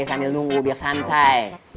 sambil nunggu biar santai